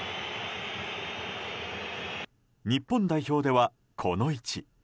日本代表では、この位置。